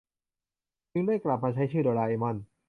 จึงได้กลับมาใช้ชื่อโดราเอมอน